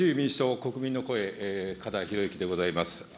国民の声、加田裕之でございます。